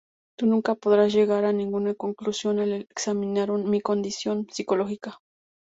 Tu nunca podrás llegar a ninguna conclusión al examinar mi condición psicológica.